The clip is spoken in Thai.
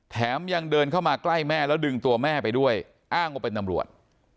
แถมยังเดินเข้ามาใกล้แม่แล้วดึงตัวแม่ไปด้วยอ้างว่าเป็นตำรวจ